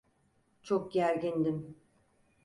Çok gergindim.